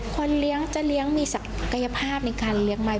คนเลี้ยงจะเลี้ยงมีศักยภาพในการเลี้ยงไหม